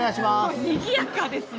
にぎやかですね。